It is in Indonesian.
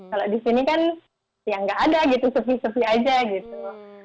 kalau di sini kan ya nggak ada gitu sepi sepi aja gitu